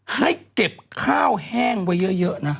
ให้เก็บข้าวแห้งไว้เยอะนะ